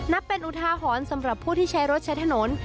เป็นอุทาหรณ์สำหรับผู้ที่ใช้รถใช้ถนน